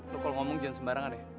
lu kalo ngomong jangan sembarangan deh